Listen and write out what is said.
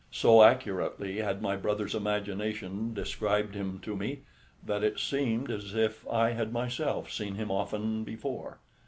So accurately had my brother's imagination described him to me, that it seemed as if I had myself seen him often before.